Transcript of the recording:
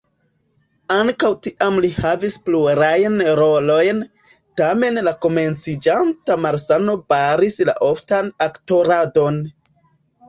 Ankaŭ tiam li havis plurajn rolojn, tamen la komenciĝanta malsano baris la oftan aktoradon.